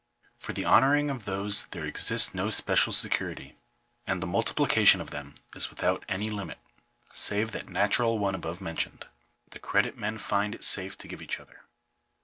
For the honouring of these there exists no special security, and the multiplication of them is without any limit, save that natural one above mentioned — the credit men find it safe to give each other.